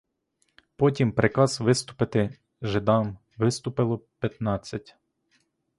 Потім приказ виступити жидам — виступило пятнадцять.